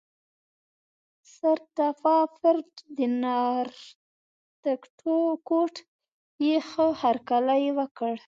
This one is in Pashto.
سرسټافرډ نارتکوټ یې ښه هرکلی وکړ.